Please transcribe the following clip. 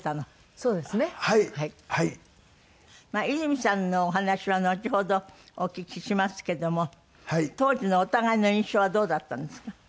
いずみさんのお話はのちほどお聞きしますけども当時のお互いの印象はどうだったんですか？